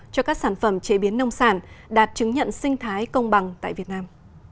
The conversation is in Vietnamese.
cho các sản phẩm chế biến nông sản đạt chứng nhận sinh thái công bằng tại việt nam